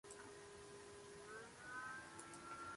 In this case the term "valuation" means "absolute value".